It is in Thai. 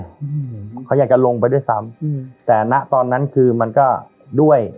อืมเขาอยากจะลงไปด้วยซ้ำอืมแต่ณตอนนั้นคือมันก็ด้วย